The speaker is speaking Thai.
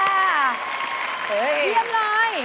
เยี่ยมเลย